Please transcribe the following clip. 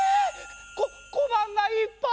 ここばんがいっぱい！